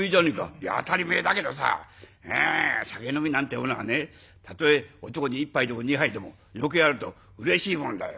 「いや当たり前だけどさ酒飲みなんてものはねたとえおちょこに一杯でも二杯でも余計あるとうれしいもんだよ。